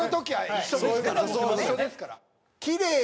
一緒ですから。